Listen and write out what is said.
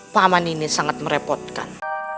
paman ini sangat merepotkan